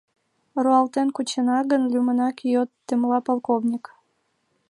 — Руалтен кучена гын, лӱмынак йод, — темла полковник.